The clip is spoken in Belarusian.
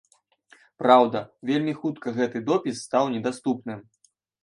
Праўда, вельмі хутка гэты допіс стаў недаступным.